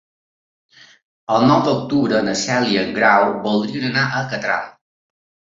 El nou d'octubre na Cel i en Grau voldrien anar a Catral.